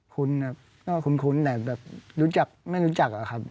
คุ้นครับก็คุ้นแต่แบบรู้จักไม่รู้จักอะครับ